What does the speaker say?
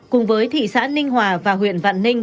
cùng với thị xã ninh hòa và huyện vạn ninh